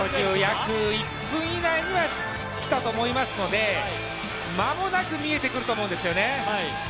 約１分以内にはきたと思いますので、間もなく見えてくると思うんですよね。